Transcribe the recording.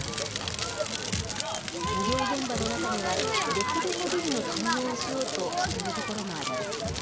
医療現場の中にはできるかぎりの対応をしようとしている所もあります。